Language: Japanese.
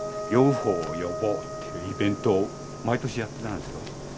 ＵＦＯを呼ぼうっていうイベントを毎年やってたんですよ。